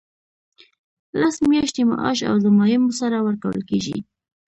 لس میاشتې معاش له ضمایمو سره ورکول کیږي.